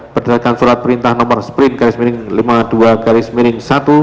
pendatangan surat perintah nomor sprint lima puluh dua satu dua ribu enam belas